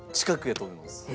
近くやと思います。